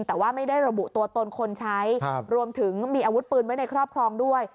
แต่ว่าไม่ได้ระบุตัวตนคนใช้รวมถึงมีอาวุธปืนไว้ในครอบครองด้วย